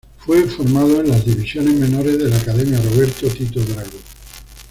Fue formado en las divisiones menores de la academia Roberto "Tito" Drago.